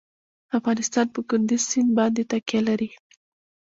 افغانستان په کندز سیند باندې تکیه لري.